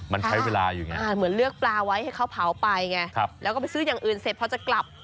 มันใช้เวลาอยู่ไงเหมือนเลือกปลาไว้ให้เขาเผาไปไงแล้วก็ไปซื้ออย่างอื่นเสร็จพอจะกลับ